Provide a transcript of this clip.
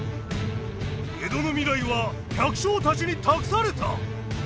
江戸の未来は百姓たちに託された！